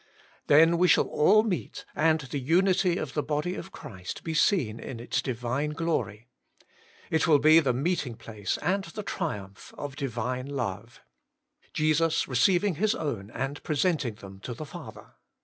Then we shall all meet, and the unity of the body of Christ bo seen in its divine glory. It will be the meet ing place and the triumph of divine love. Jesus receiving His own and presenting them to the Father.